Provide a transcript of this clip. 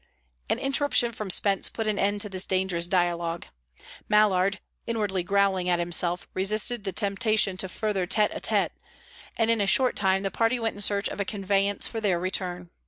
An interruption from Spence put an end to this dangerous dialogue. Mallard, inwardly growling at himself, resisted the temptation to further tete a tete, and in a short time the party went in search of a conveyance for their return.